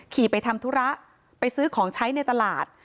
ขี่ไปทำธุระไปซื้อของใช้ในตลาด